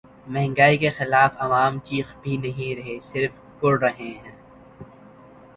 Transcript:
مہنگائی کے خلاف عوام چیخ بھی نہیں رہے‘ صرف کڑھ رہے ہیں۔